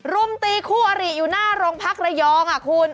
รุมจิคู่อรีอยู่หน้าโรงพักัยระยองน่ะคุณ